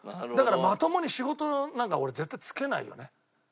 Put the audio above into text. だからまともに仕事なんか俺絶対就けないよね。